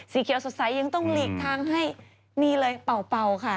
เขียวสดใสยังต้องหลีกทางให้นี่เลยเป่าค่ะ